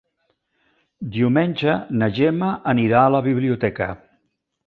Diumenge na Gemma anirà a la biblioteca.